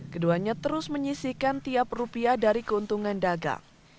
keduanya terus menyisikan tiap rupiah dari keuntungan dagang